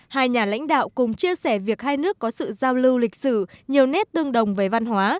hai nhà lãnh đạo cùng chia sẻ việc hai nước có sự giao lưu lịch sử nhiều nét tương đồng về văn hóa